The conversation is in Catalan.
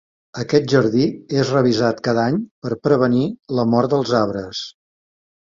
Aquest jardí és revisat cada any per prevenir la mort dels arbres.